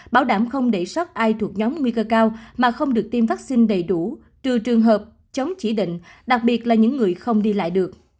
bảo đảm không để sót ai thuộc nhóm nguy cơ cao mà không được tiêm vaccine đầy đủ trừ trường hợp chống chỉ định đặc biệt là những người không đi lại được